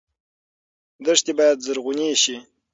دښتې باید زرغونې شي.